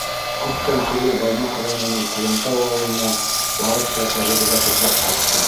Күптән түгел Баймаҡ районының Ҡуянтау ауылына барып та тәжрибә туплап ҡайттым.